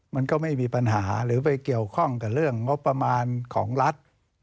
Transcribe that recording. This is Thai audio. มันก็ไม่มีปัญหาหรือไปเกี่ยวข้องกับเรื่องงบประมาณของรัฐ